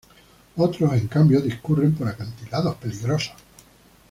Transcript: Otros, en cambio, discurren por acantilados peligrosos.